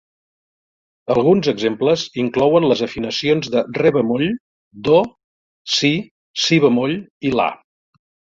Alguns exemples inclouen les afinacions de re bemoll, do, si, si bemoll i la.